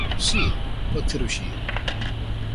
Sí, pot fer-ho així.